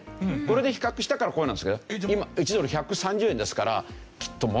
これで比較したからこうなんですけど今１ドル１３０円ですからきっと。